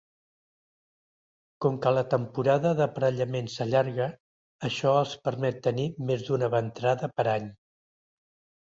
Com que la temporada d'aparellament s'allarga, això els permet tenir més d'una ventrada per any.